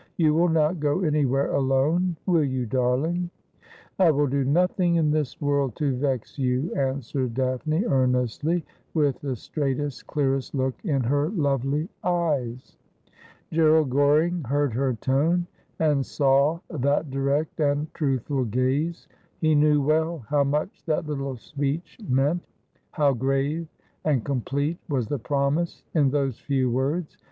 You will not go any where alone, will you, darling >"' I will do nothing in this world to vex you,' answered Daphne earnestly, with the straightest, clearest look in her lovely eyes. Gerald G oring heard her tone, and saw that direct and truth ful gaze. He knew well how much that little speech meant ; how grave and complete was the promise in those few words.